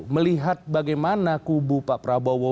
melihat bagaimana kubu pak prabowo